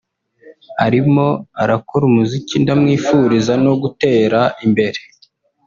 Arimo arakora umuziki ndamwifuriza no gutera imbere